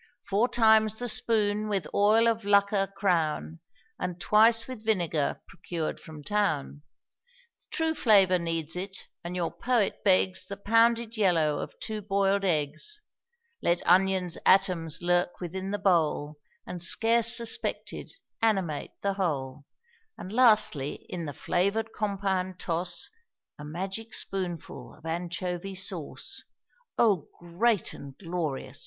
Four times the spoon with oil of Lucca crown, And twice with vinegar procured from town; True flavor needs it, and your poet begs The pounded yellow of two boiled eggs; Let onion's atoms lurk within the bowl, And, scarce suspected, animate the whole; And, lastly, in the flavored compound toss A magic spoonful of anchovy sauce. O great and glorious!